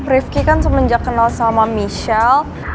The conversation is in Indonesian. rifki kan semenjak kenal sama michelle